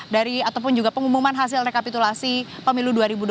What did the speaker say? dari ataupun juga pengumuman hasil rekapitulasi pemilu dua ribu dua puluh